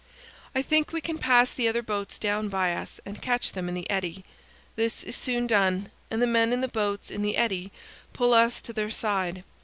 I think we can pass the other boats down by us and catch them in the eddy. This is soon done, and the men in the boats in the eddy pull us to their side.